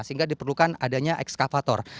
sehingga diperlukan adanya ekskavator